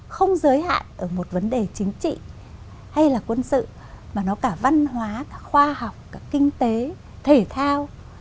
không giới hạn ở một vấn đề chính trị hay là quân sự mà nó cả văn hóa cả khoa học cả kinh tế thể thao